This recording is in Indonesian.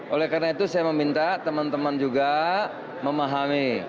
oleh karena itu saya meminta teman teman juga memahami